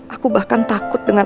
aku bahkan takut dengan